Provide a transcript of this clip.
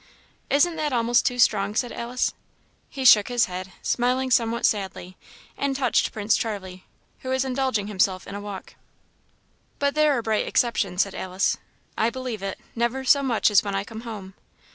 "Isn't that almost too strong?" said Alice. He shook his head, smiling somewhat sadly, and touched Prince Charlie, who was indulging himself in a walk. "But there are bright exceptions," said Alice. "I believe it; never so much as when I come home."